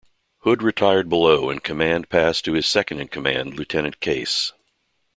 Hood retired below and command passed to his second in command, Lieutenant Case.